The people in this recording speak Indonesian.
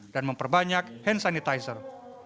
dan memperbanyak hand sanitizer